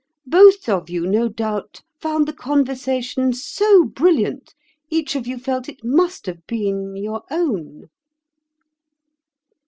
Both of you, no doubt, found the conversation so brilliant, each of you felt it must have been your own."